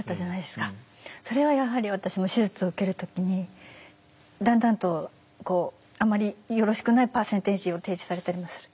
それはやはり私も手術を受ける時にだんだんとこうあまりよろしくないパーセンテージを提示されたりもすると。